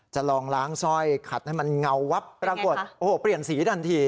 จะลองล้างสร้อยขัดให้มันเงาวับปรากฏโอ้โหเปลี่ยนสีทันที